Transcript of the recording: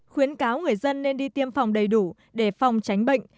khuyến cáo người dân nên đi tiêm phòng đầy đủ để phòng tránh bệnh